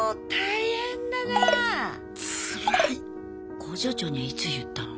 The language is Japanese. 工場長にはいつ言ったの？